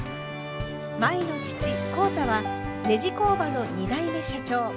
舞の父浩太はネジ工場の２代目社長。